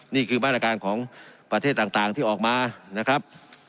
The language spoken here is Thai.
นี่คือมาตรการของประเทศต่างที่ออกมานะครับ